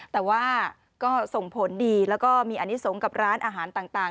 แต่ว่าก็ส่งผลดีแล้วก็มีอนิสงฆ์กับร้านอาหารต่าง